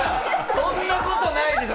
そんなことないですよ！